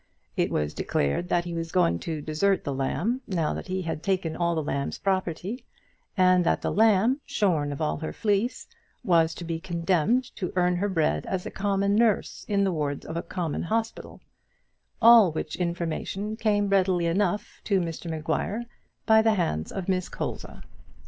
It was declared that he was going to desert the lamb, now that he had taken all the lamb's property; and that the lamb, shorn of all her fleece, was to be condemned to earn her bread as a common nurse in the wards of a common hospital, all which information came readily enough to Mr Maguire by the hands of Miss Colza.